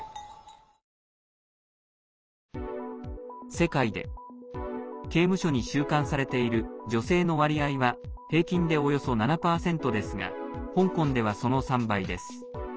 世界で刑務所に収監されている女性の割合は平均でおよそ７％ですが香港では、その３倍です。